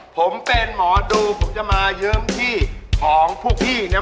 ผมเป็นหมอดูผมจะมาเยิ้มที่ของพวกพี่เนี่ย